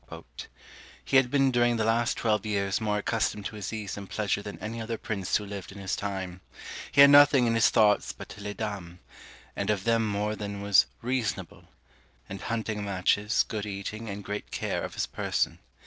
"He had been during the last twelve years more accustomed to his ease and pleasure than any other prince who lived in his time. He had nothing in his thoughts but les dames, and of them more than was reasonable; and hunting matches, good eating, and great care of his person.